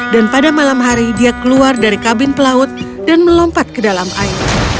dan pada malam hari dia keluar dari kabin pelaut dan melompat ke dalam air